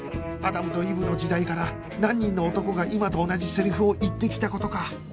アダムとイブの時代から何人の男が今と同じセリフを言ってきた事か